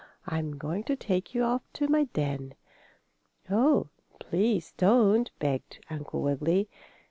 I am going to take you off to my den." "Oh, please don't!" begged Uncle Wiggily.